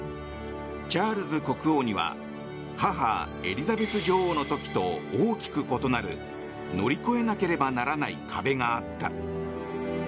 チャールズ国王には母エリザベス女王の時と大きく異なる乗り越えなければならない壁があった。